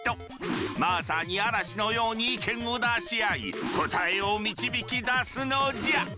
まさに嵐のように意見を出し合い答えを導き出すのじゃ！